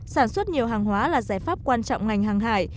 sản xuất nhiều hàng hóa là giải pháp quan trọng ngành hàng hải